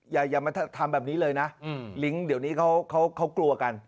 อย่ามาทำแบบนี้เลยนะลิงก์เดี๋ยวนี้เขากลัวกัน